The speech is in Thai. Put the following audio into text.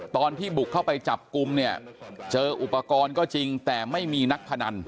ตอนที่บุกเข้าไปจับกลุ่มเนี่ยเจออุปกรณ์ก็จริงแต่ไม่มีนักพนัน